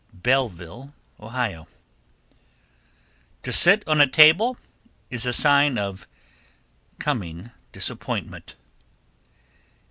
Bellville, O. 1325. To sit on a table is a sign of coming disappointment.